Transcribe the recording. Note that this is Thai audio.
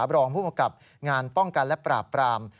รองผู้ประกับงานป้องกันและปราบปราม